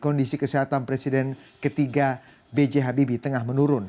kondisi kesehatan presiden ketiga b j habibie tengah menurun